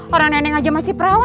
orang neneng aja masih perawan